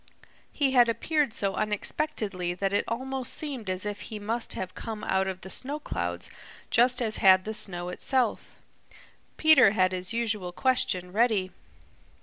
He had appeared so unexpectedly that it almost seemed as if he must have come out of the snow clouds just as had the snow itself. Peter had his usual question ready.